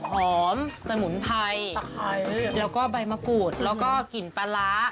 หอมสมุนไพรแล้วก็ใบมะกรูดแล้วก็กลิ่นปลาร้า